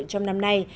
trong năm nay